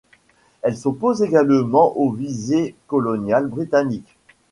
Elle s'oppose également aux visées coloniales britanniques.